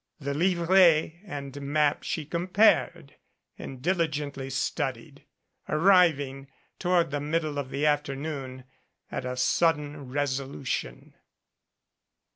The livret and map she compared, and diligently studied, ar riving, toward the middle of the afternoon, at a sudden ' resolution.